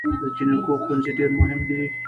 د جینکو ښوونځي ډیر مهم دی